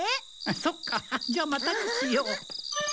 そっかじゃあまたにしよう。